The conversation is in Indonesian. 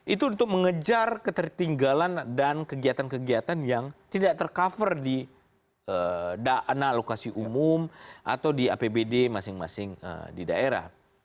itu untuk mengejar ketertinggalan dan kegiatan kegiatan yang tidak tercover di dana alokasi umum atau di apbd masing masing di daerah